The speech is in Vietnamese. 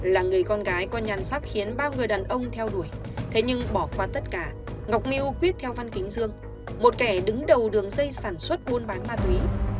là người con gái có nhàn sắc khiến bao người đàn ông theo đuổi thế nhưng bỏ qua tất cả ngọc miu quyết theo văn kính dương một kẻ đứng đầu đường dây sản xuất muôn bán ma túy